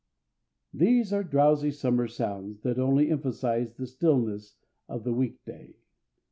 These are drowsy summer sounds that only emphasize the stillness of the week day.